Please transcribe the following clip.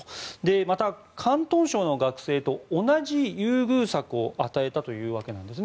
また、広東省の学生と同じ優遇策を与えたというわけです。